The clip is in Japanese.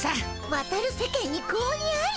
渡る世間に子鬼あり。